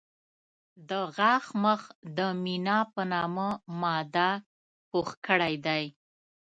د غاښ مخ د مینا په نامه ماده پوښ کړی دی.